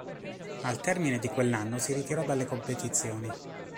Al termine di quell'anno si ritirò dalle competizioni.